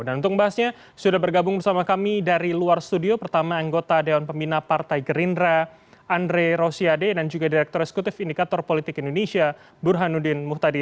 dan untuk membahasnya sudah bergabung bersama kami dari luar studio pertama anggota dewan pembina partai gerindra andrei rosiade dan juga direktur eksekutif indikator politik indonesia burhanuddin muhtadi